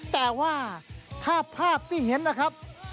แต่ว่าถ้าภาพที่เห็นนะครับ